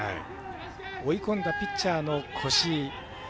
追い込んだピッチャーの越井。